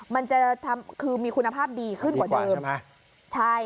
มันจะทำคือมีคุณภาพดีขึ้นกว่าเดิมดีกว่าใช่ไหม